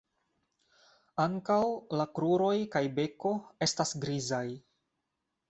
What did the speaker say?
Ankaŭ la kruroj kaj beko estas grizaj.